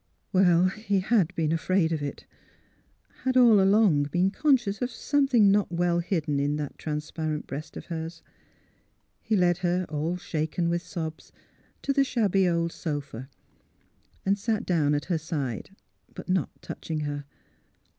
"Well, he had been afraid of it — had, all along, been conscious of something not well hidden in that transparent breast of hers. He led her, all shaken with sobs, to the shabby old sofa, and sat down at her side — but not touching her.